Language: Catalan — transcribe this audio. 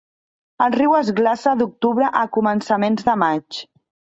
El riu es glaça d'octubre a començaments de maig.